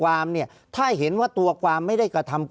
ภารกิจสรรค์ภารกิจสรรค์